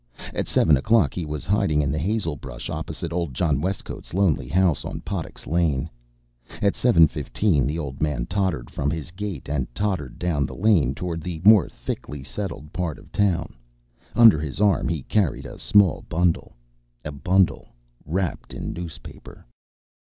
At seven o'clock he was hiding in the hazel brush opposite old John Westcote's lonely house on Pottex Lane. At seven fifteen the old man tottered from his gate and tottered down the lane toward the more thickly settled part of the town. Under his arm he carried a small bundle a bundle wrapped in newspaper!